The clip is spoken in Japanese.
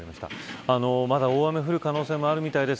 まだ大雨が降る可能性もあるみたいです。